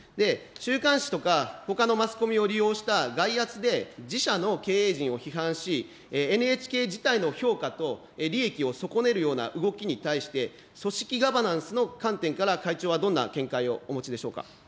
週刊誌とかほかのマスコミを利用した外圧で自社の経営陣を批判し、ＮＨＫ自体の評価と利益を損ねるような動きに対して、組織ガバナンスの観点から会長はどんな見解をお持ちでしょうか。